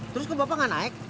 terus kok bapak nggak naik